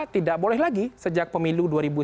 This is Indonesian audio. tidak boleh lagi sejak pemilu dua ribu sembilan belas